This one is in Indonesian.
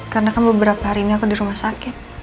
karena kan beberapa hari ini aku di rumah sakit